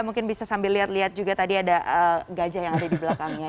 mungkin bisa sambil lihat lihat juga tadi ada gajah yang ada di belakangnya